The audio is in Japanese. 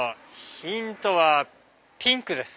ヒントはピンクです。